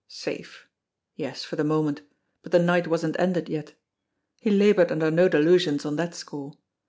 Safe! Yes, for the moment but the night wasn't ended yet. He laboured under no delusions on that score.